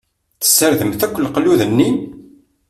Tessardemt akk leqlud-nni?